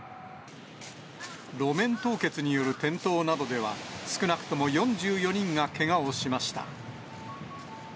路面凍結による転倒などでは、少なくとも４４人がけがをしました。